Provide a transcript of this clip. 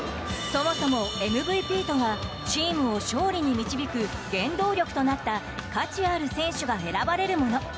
そもそもＭＶＰとはチームを勝利に導く原動力となった価値ある選手が選ばれるもの。